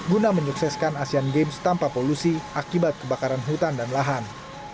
guna menyukseskan asean games tanpa polusi akibat kebakaran hutan dan lahan